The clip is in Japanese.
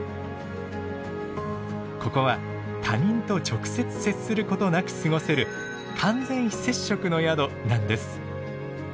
ここは他人と直接接することなく過ごせる「完全非接触」の宿なんです。